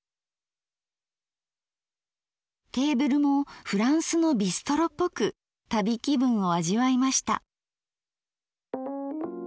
テーブルもフランスのビストロっぽく旅気分を味わいました。